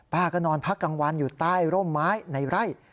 ก็นอนพักกลางวันอยู่ใต้ร่มไม้ในไร่